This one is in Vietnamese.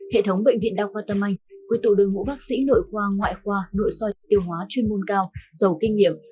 hệ thống bệnh viện đao khoa tâm anh quy tụ đơn hữu bác sĩ nội khoa ngoại khoa nội soi tiêu hóa chuyên môn cao giàu kinh nghiệm